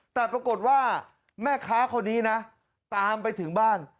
แต่ปรากฏว่าแม่ค้าคนนี้นะตามไปถึงบ้าน